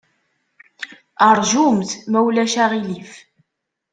Ṛjumt, ma ulac aɣilif.